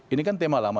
ini kan tema lama